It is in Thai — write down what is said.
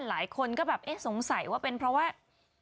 หลายคนก็แบบเอ๊ะสงสัยว่าเป็นเพราะว่า